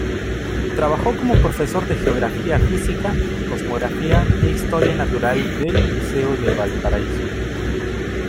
Trabajó como profesor de geografía física, cosmografía e historia natural del Liceo de Valparaíso.